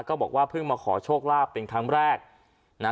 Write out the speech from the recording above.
บอกว่าเพิ่งมาขอโชคลาภเป็นครั้งแรกนะ